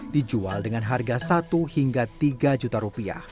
dijual dengan harga satu hingga tiga juta rupiah